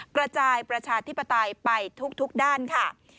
กระจายประชาธิปไตยไปทุกด้านค่ะ